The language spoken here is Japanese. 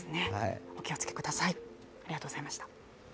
お気をつけください。